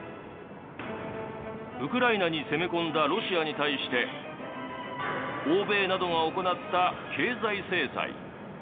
ウクライナに攻め込んだロシアに対して欧米などが行った経済制裁。